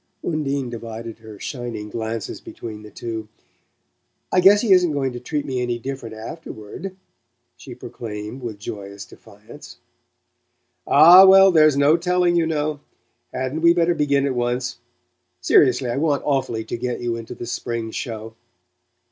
Undine divided her shining glances between the two. "I guess he isn't going to treat me any different afterward," she proclaimed with joyous defiance. "Ah, well, there's no telling, you know. Hadn't we better begin at once? Seriously, I want awfully to get you into the spring show."